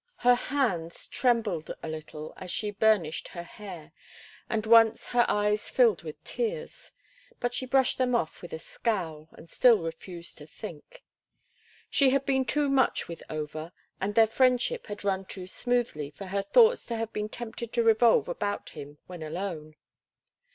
Her hands trembled a little as she burnished her hair, and once her eyes filled with tears; but she brushed them off with a scowl, and still refused to think. She had been too much with Over, and their friendship had run too smoothly for her thoughts to have been tempted to revolve about him when alone.